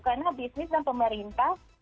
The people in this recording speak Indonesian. karena bisnis dan pemerintah